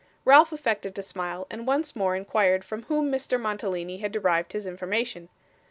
Ralph affected to smile, and once more inquired from whom Mr. Mantalini had derived his information.